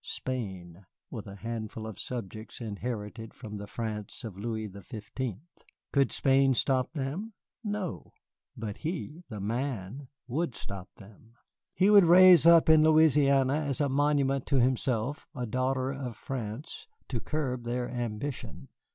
Spain, with a handful of subjects inherited from the France of Louis the Fifteenth. Could Spain stop them? No. But he, the Man, would stop them. He would raise up in Louisiana as a monument to himself a daughter of France to curb their ambition.